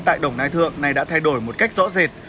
tại đồng nai thượng này đã thay đổi một cách rõ rệt